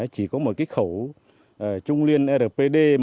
chỉ có một cái khẩu trung liên rpd